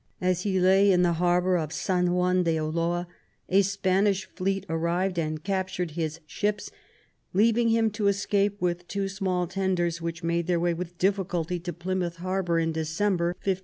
As he lay in the harbour of ELIZABETH AND MARY STUART. iii San Juan de Ulloa a Spanish fleet arrived and captured his ships, leaving him to escape with two small tenders, which made their way with difficulty to Plymouth Harbour in December, 1568.